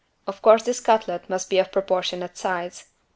Of course this cutlet must be of proportionate size.